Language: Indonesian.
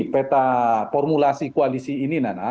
peta formulasi koalisi ini nana